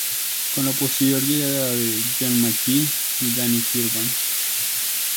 Con la posterior llegada de John McVie y Danny Kirwan.